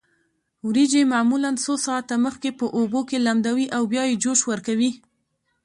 وریجې معمولا څو ساعته مخکې په اوبو کې لمدوي او بیا یې جوش ورکوي.